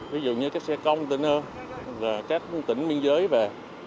ví dụ như các xe con tỉnh ơ các tỉnh biên giới về